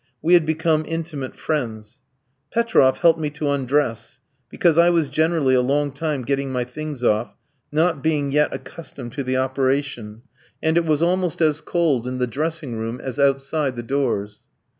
We had become intimate friends. Petroff helped me to undress, because I was generally a long time getting my things off, not being yet accustomed to the operation; and it was almost as cold in the dressing room as outside the doors.